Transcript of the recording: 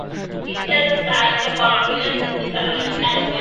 আমি তো কখনো শুনি নাই।